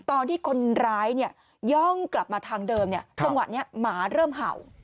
ตอนที่คนร้ายย่องกลับมาทางเดิมจังหวะนี้หมาเริ่มเห่า